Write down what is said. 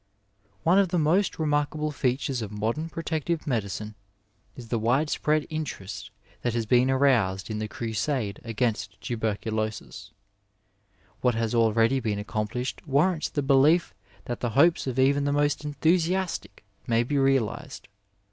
One of the most remarkable features of modem pro tective medicine is the widespread interest that has been 258 Digitized by VjOOQIC MEDICINE IN THE NINETEENTH CENTURY aroused in the crusade against tuberculosis. What has already been accomplished warrants the belief that the hopes of even the most enthusiastic may be realized.